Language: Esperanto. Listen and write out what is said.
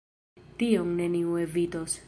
Tion neniu evitos.